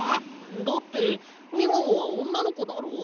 だってみももはおんなのこだろ。